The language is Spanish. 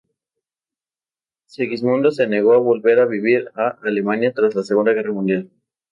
Segismundo se negó a volver a vivir a Alemania tras la Segunda Guerra Mundial.